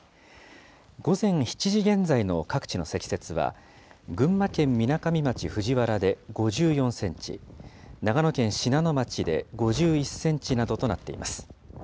午前７時現在の各地の積雪は、群馬県みなかみ町藤原で５４センチ、長野県信濃町で５１センチなどとなっています。